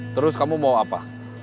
terus kamu mau apa